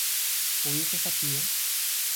¿hubieses partido?